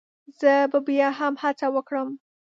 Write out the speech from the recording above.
زه به بيا هم هڅه وکړم